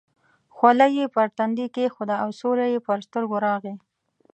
خولۍ یې پر تندي کېښوده او سیوری یې پر سترګو راغی.